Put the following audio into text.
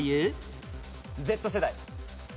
Ｚ世代。